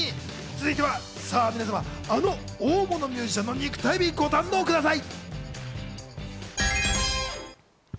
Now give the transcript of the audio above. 続いては皆様、あの大物ミュージシャンの肉体美をご堪能ください。